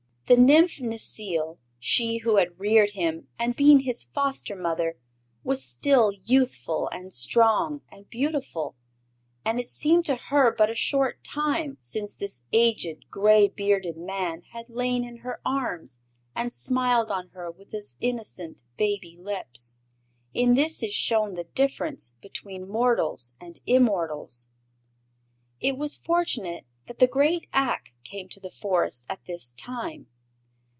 The Nymph Necile, she who had reared him and been his foster mother, was still youthful and strong and beautiful, and it seemed to her but a short time since this aged, gray bearded man had lain in her arms and smiled on her with his innocent, baby lips. In this is shown the difference between mortals and immortals. It was fortunate that the great Ak came to the Forest at this time.